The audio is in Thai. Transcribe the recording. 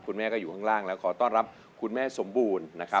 คุณแม่ก็อยู่ข้างล่างแล้วขอต้อนรับคุณแม่สมบูรณ์นะครับ